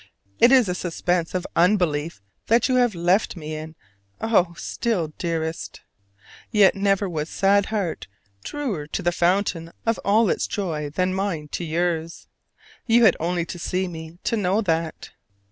It is a suspense of unbelief that you have left me in, oh, still dearest! Yet never was sad heart truer to the fountain of all its joy than mine to yours. You had only to see me to know that.